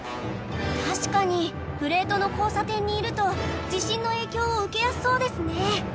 確かにプレートの交差点にいると地震の影響を受けやすそうですね。